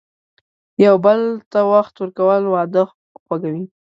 یو بل ته وخت ورکول، واده خوږوي.